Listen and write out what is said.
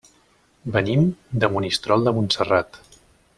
Venim de Monistrol de Montserrat.